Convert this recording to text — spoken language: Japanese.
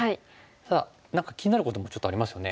ただ何か気になることもちょっとありますよね。